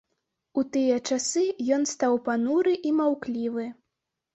У тыя часы ён стаў пануры і маўклівы.